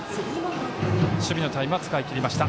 守備のタイム、使い切りました。